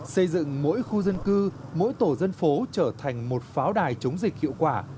xây dựng mỗi khu dân cư mỗi tổ dân phố trở thành một pháo đài chống dịch hiệu quả